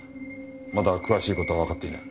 まだ詳しい事はわかっていない。